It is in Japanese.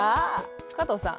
加藤さん。